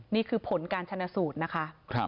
นี่คือผลการชนะสูตรนะคะ